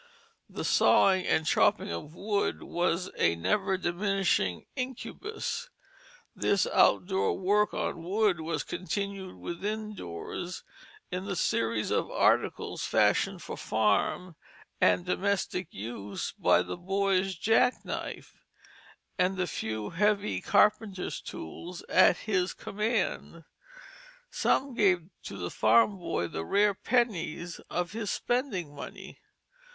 Illustration from Plain Things for Little Folks] The sawing and chopping of wood was a never diminishing incubus; this outdoor work on wood was continued within doors in the series of articles fashioned for farm and domestic use by the boy's jack knife and the few heavy carpenter's tools at his command; some gave to the farm boy the rare pennies of his spending money.